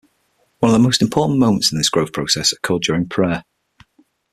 One of the most important moments in this growth process occurred during prayer.